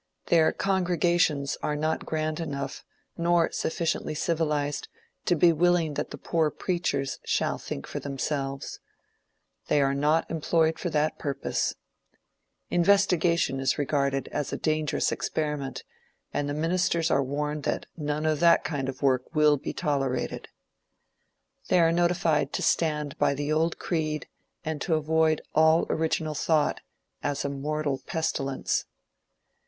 Their congregations are not grand enough, nor sufficiently civilized, to be willing that the poor preachers shall think for themselves. They are not employed for that purpose. Investigation is regarded as a dangerous experiment, and the ministers are warned that none of that kind of work will be tolerated. They are notified to stand by the old creed, and to avoid all original thought, as a mortal pestilence.